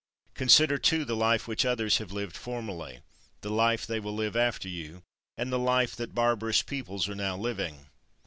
Consider, too, the life which others have lived formerly, the life they will live after you, and the life that barbarous peoples are now living.